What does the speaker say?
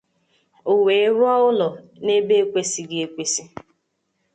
o wee rụọ ụlọ n'ebe ekwesighị ekwesi